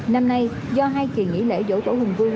năm nay do hai kỳ nghỉ lễ dỗ tổ hùng vương